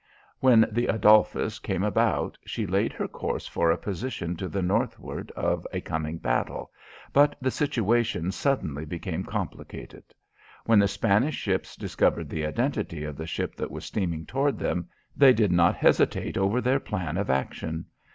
When the Adolphus came about, she laid her course for a position to the northward of a coming battle, but the situation suddenly became complicated. When the Spanish ships discovered the identity of the ship that was steaming toward them, they did not hesitate over their plan of action.